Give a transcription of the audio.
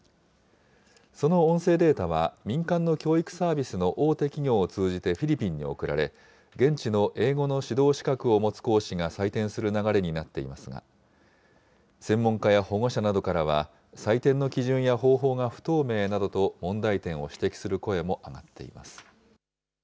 その音声データは、民間の教育サービスの大手企業を通じてフィリピンに送られ、現地の英語の指導資格を持つ講師が採点する流れになっていますが、専門家や保護者などからは、採点の基準や方法が不透明などと問題点を指摘する声も上がっています。